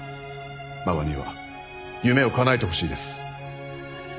馬場には夢をかなえてほしいです。